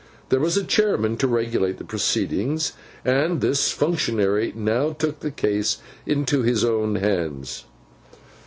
There was a chairman to regulate the proceedings, and this functionary now took the case into his own hands.